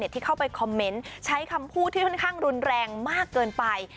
ที่เข้าไปคอมเมนต์ใช้คำพูดที่ค่อนข้างรุนแรงมากเกินไป